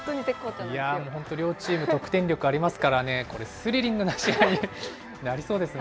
いやぁもう、本当に両チーム得点力がありますからね、これはスリリングな試合に、なりそうですね。